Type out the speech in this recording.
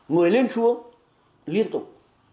người lên xuống liên tục